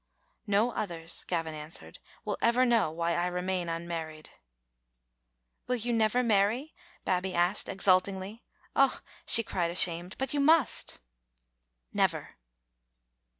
" "No others," Gavin answered, "will ever know why I remained unmarried." " Will you never marry?" Babbie asked, exultingly. "Ah!" she cried, ashamed, "but you must." "Never."